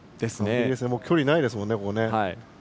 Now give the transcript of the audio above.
距離、ないですもんね。